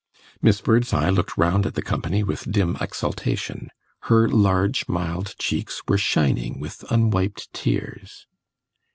Miss Birdseye looked round at the company with dim exultation; her large mild cheeks were shining with unwiped tears.